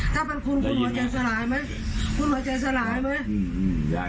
ถ้าเป็นคุณคุณหัวใจสลายไหม